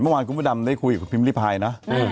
เมื่อวานนี้ตอนหน้ากลุ่มพิมพีปลายได้คุยกับใครนะ